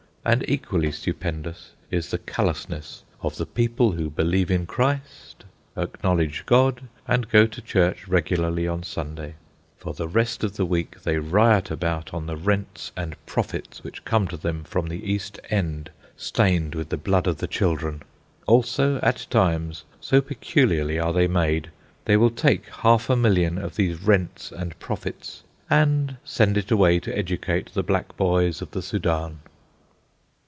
And equally stupendous is the callousness of the people who believe in Christ, acknowledge God, and go to church regularly on Sunday. For the rest of the week they riot about on the rents and profits which come to them from the East End stained with the blood of the children. Also, at times, so peculiarly are they made, they will take half a million of these rents and profits and send it away to educate the black boys of the Soudan.